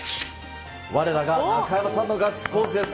われらが中山さんのガッツポーズです。